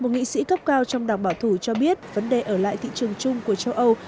một nghị sĩ cấp cao trong đảng bảo thủ cho biết vấn đề ở lại thị trường chung của châu âu